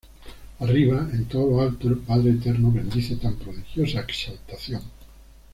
Arriba, en todo lo alto, el Padre Eterno bendice tan prodigiosa exaltación.